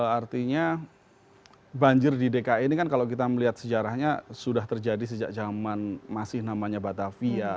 artinya banjir di dki ini kan kalau kita melihat sejarahnya sudah terjadi sejak zaman masih namanya batavia